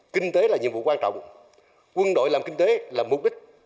kinh tế là nhiệm vụ quan trọng quân đội làm kinh tế là mục đích